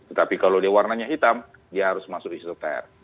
tetapi kalau dia warnanya hitam dia harus masuk isoter